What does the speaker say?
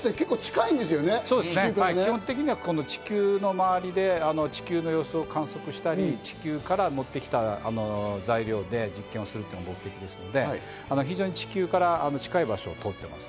基本的には地球の周りで地球の様子を観測したり、地球から持って来た材料で実験をするのが目的ですので、非常に地球から近い場所を通っています。